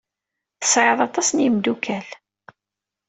Tesɛiḍ aṭas n yimeddukal.